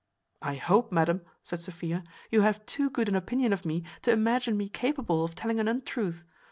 "I hope, madam," said Sophia, "you have too good an opinion of me to imagine me capable of telling an untruth.